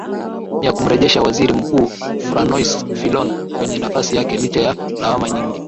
ni ya kumrejesha waziri mkuu franois fillon kwenye nafasi yake licha ya lawama nyingi